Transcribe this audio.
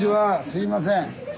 すいません。